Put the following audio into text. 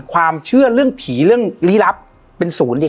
ความเชื่อเรื่องผีเรื่องลี้ลับเป็นศูนย์เด็ก